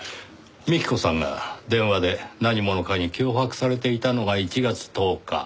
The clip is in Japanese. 幹子さんが電話で何者かに脅迫されていたのが１月１０日。